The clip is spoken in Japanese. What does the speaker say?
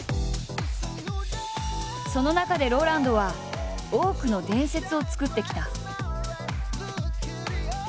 その中でＲＯＬＡＮＤは多くの伝説を作ってきた。